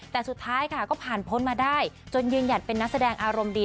แต่สุดท้ายค่ะก็ผ่านพ้นมาได้จนยืนหยัดเป็นนักแสดงอารมณ์ดี